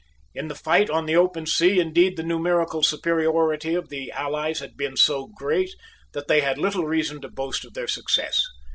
In the fight on the open sea, indeed, the numerical superiority of the allies had been so great that they had little reason to boast of their success.